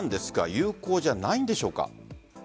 有効じゃないんでしょうか？